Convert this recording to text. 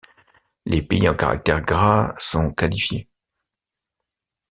Les pays en caractère gras sont qualifiés.